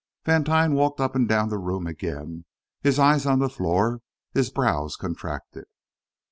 Vantine walked up and down the room again, his eyes on the floor, his brows contracted.